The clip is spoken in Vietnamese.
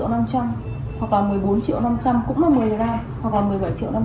trọng lượng mình làm đấy